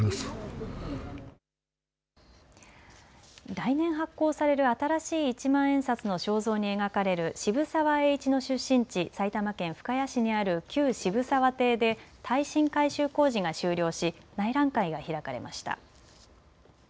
来年発行される新しい一万円札の肖像に描かれる渋沢栄一の出身地、埼玉県深谷市にある旧渋沢邸で耐震改修工事が終了し内覧会が開かれました。